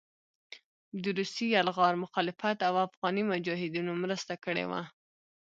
د روسي يلغار مخالفت او افغاني مجاهدينو مرسته کړې وه